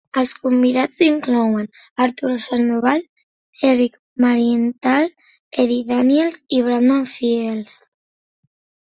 Els convidats inclouen Arturo Sandoval, Eric Marienthal, Eddie Daniels i Brandon Fields.